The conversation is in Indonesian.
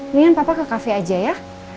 mendingan papa ke cafe aja ya